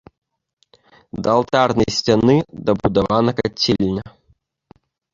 Да алтарнай сцяны дабудавана кацельня.